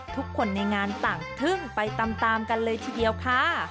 ทุกคนในงานต่างทึ่งไปตามกันเลยทีเดียวค่ะ